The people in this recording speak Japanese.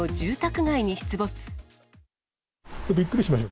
びっくりしました。